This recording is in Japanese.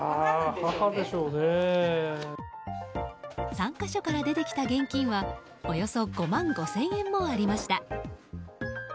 ３か所から出てきた現金はおよそ５万５０００円もありました。